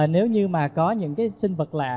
nếu như mà có những cái sinh vật lạ